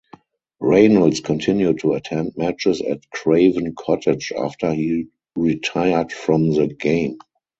Reynolds continued to attend matches at Craven Cottage after he retired from the game.